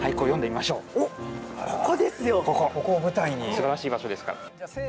すばらしい場所ですから。